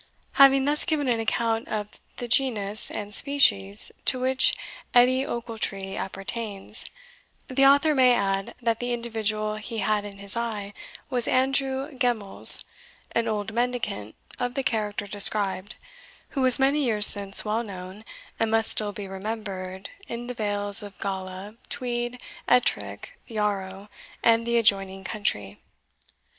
Having thus given an account of the genus and species to which Edie Ochiltree appertains, the author may add, that the individual he had in his eye was Andrew Gemmells, an old mendicant of the character described, who was many years since well known, and must still be remembered, in the vales of Gala, Tweed, Ettrick, Yarrow, and the adjoining country.